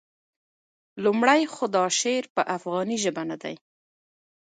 لومړی خو دا شعر په افغاني ژبه نه دی.